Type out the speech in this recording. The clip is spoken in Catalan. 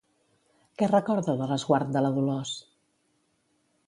Què recorda de l'esguard de la Dolors?